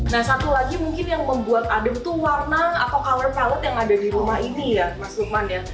nah satu lagi mungkin yang membuat adem tuh warna atau cower palot yang ada di rumah ini ya mas lukman ya